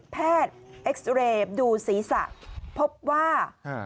เอ็กซ์เรย์ดูศีรษะพบว่า